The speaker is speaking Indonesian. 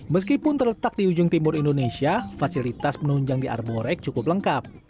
meskipun terletak di ujung timur indonesia fasilitas penunjang di arborek cukup lengkap